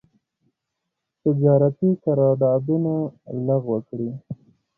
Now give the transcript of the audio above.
تجارتي قرارداونه لغو کړي.